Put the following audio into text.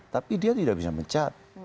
tapi dia tidak bisa mecat